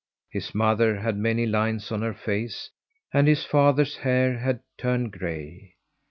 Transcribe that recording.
His mother had many lines on her face and his father's hair had turned gray.